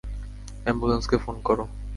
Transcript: এম্বুলেন্সকে phone করো।